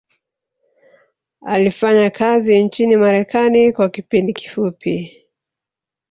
alifanya kazi nchini marekani kwa kipindi kifupi